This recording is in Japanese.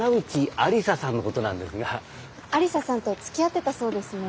愛理沙さんとつきあってたそうですね。